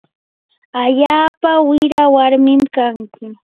allaapa wira warmin kanki.